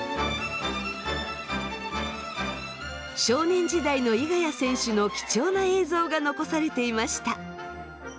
少年時代の猪谷選手の貴重な映像が残されていました。